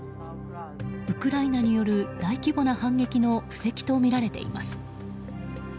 ウクライナによる大規模な反撃の布石とみられています。